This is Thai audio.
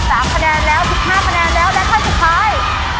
สามคะแนนแล้วสิบห้าคะแนนแล้วและท่านสุดท้าย